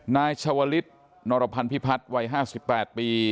นายชาวลิศนรพันธิพัฒน์วัย๕๘ปี